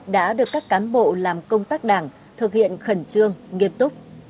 đã được các cán bộ làm công tác đảng thực hiện khẩn trương nghiêm túc